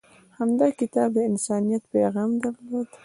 هغه کتاب د انسانیت پیغام درلود.